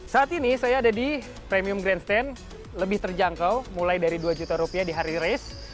saat ini saya ada di premium grandstand lebih terjangkau mulai dari dua juta rupiah di hari race